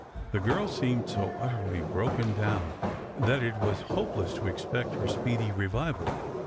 The girl seemed so utterly broken down, that it was hopeless to expect her speedy revival.